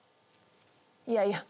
いやいや。